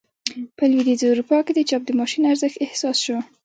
په لوېدیځه اروپا کې د چاپ د ماشین ارزښت احساس شو.